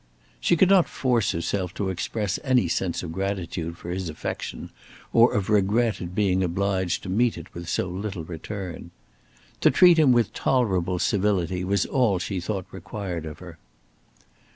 She could not force herself to express any sense of gratitude for his affection, or of regret at being obliged to meet it with so little return. To treat him with tolerable civility was all she thought required of her.